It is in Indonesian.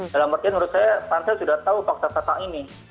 dalam artian menurut saya pansel sudah tahu fakta fakta ini